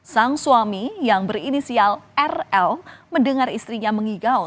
sang suami yang berinisial rl mendengar istrinya mengigau